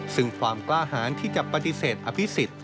ซึ่งความกล้าหารที่จะปฏิเสธอภิษฎ